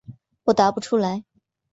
我答不出来。